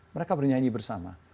mereka bernyanyi bersama